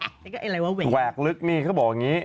นี่ก็ไอ้อะไรว่าแหวกแหวกลึกนี่เขาบอกอย่างนี้